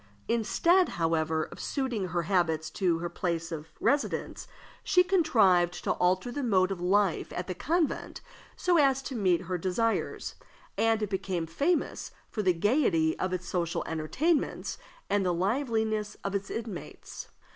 Instead, however, of suiting her habits to her place of residence, she contrived to alter the mode of life at the convent so as to meet her desires, and it became famous for the gayety of its social entertainments and the liveliness of its inmates.